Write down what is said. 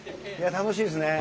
楽しいですね。